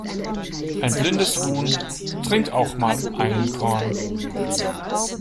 Ein blindes Huhn trinkt auch mal einen Korn.